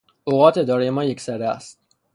اوقات ادارهٔ ما یکسره است.